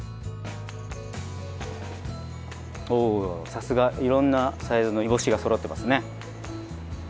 さすがいろんなサイズの煮干しがそろってますね。